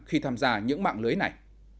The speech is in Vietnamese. khi tham gia những mạng lưới này